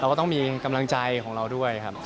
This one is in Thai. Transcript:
ก็ต้องมีกำลังใจของเราด้วยครับ